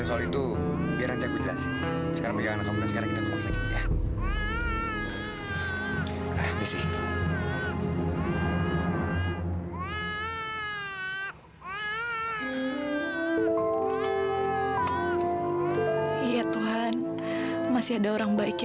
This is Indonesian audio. oberhleib ini karena banget terbunuhnya ini